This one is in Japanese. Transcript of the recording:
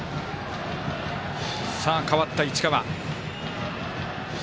代わった市川。